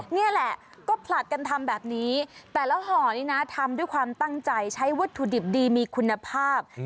นี่แหละก็ผลัดกันทำแบบนี้แต่ละห่อนี่นะทำด้วยความตั้งใจใช้วัตถุดิบดีมีคุณภาพ